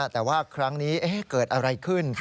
แต่ว่าครั้งนี้เกิดอะไรขึ้น